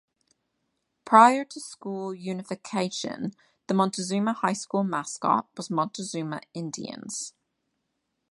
Prior to school unification, the Montezuma High School mascot was Montezuma Indians.